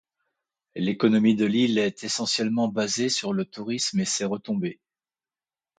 L'économie de l'île est essentiellement basée sur le tourisme et ses retombées.